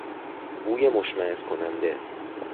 بوی مشمئز کننده